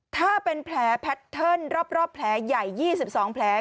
ถ้าเป็นแผลแพทเทิร์นรอบแผลใหญ่๒๒แผล